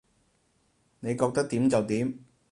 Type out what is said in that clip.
你覺得點就點